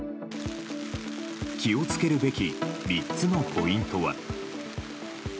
気を付けるべき３つのポイントは。